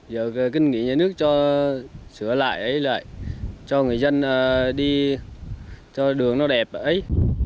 giờ kinh nghỉ nhà nước cho sửa lại ấy lại cho người dân đi cho đường nó đẹp ấy